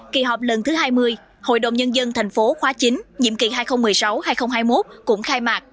kỳ họp lần thứ hai mươi hội đồng nhân dân tp khóa chín nhiệm kỳ hai nghìn một mươi sáu hai nghìn hai mươi một cũng khai mạc